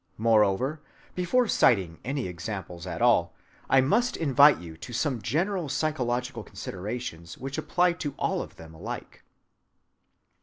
Moreover, before citing any examples at all, I must invite you to some general psychological considerations which apply to all of them alike.